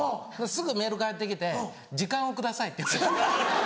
すぐメール返って来て「時間をください」って。